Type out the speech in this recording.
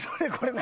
何？